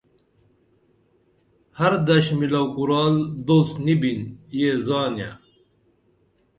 ہر دش مِلو کُرال دوست نی بِن یہ زانیہ